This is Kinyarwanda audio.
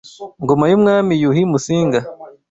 ngoma y’Umwami Yuhi Musinga